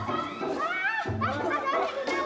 tia ya erica